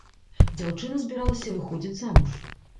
Дзяўчына збіралася выходзіць замуж.